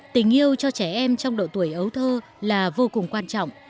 tình yêu cho trẻ em trong độ tuổi ấu thơ là vô cùng quan trọng